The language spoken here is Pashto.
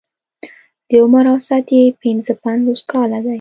د عمر اوسط يې پنځه پنځوس کاله دی.